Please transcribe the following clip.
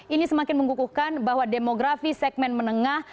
ini semakin menggukuhkan bahwa demografi segmen menengah